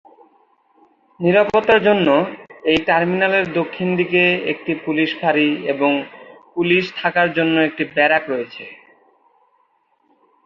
নিরাপত্তার জন্য এই টার্মিনালের দক্ষিণ দিকে একটি পুলিশ ফাঁড়ি এবং পুলিশ থাকার জন্য একটি ব্যারাক রয়েছে।